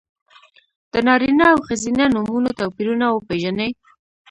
د نارینه او ښځینه نومونو توپیرونه وپېژنئ!